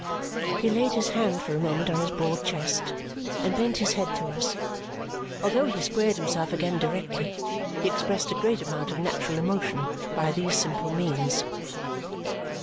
He laid his hand for a moment on his broad chest and bent his head to us. Although he squared himself again directly, he expressed a great amount of natural emotion by these simple means.